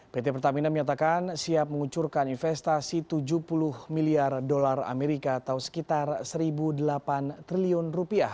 pt pertamina menyatakan siap mengucurkan investasi rp tujuh puluh miliar atau sekitar rp satu delapan triliun